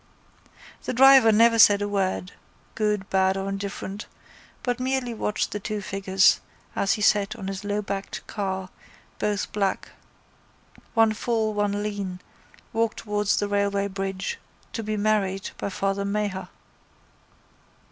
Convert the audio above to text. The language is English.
The driver never said a word, good, bad or indifferent, but merely watched the two figures, as he sat on his lowbacked car, both black, one full, one lean, walk towards the railway bridge, to be married by Father Maher.